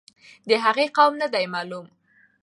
د هغې قوم نه دی معلوم.